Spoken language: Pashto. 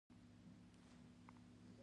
پر شونډو مې بې واره د خدای ذکر ګرځېده.